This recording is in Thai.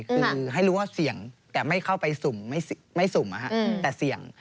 คือให้รู้ว่าเสี่ยงแต่ไม่เข้าไปสุ่มไม่สุ่มแต่เสี่ยง